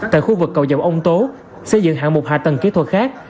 tại khu vực cầu dòng ông tố xây dựng hạng mục hạ tầng kỹ thuật khác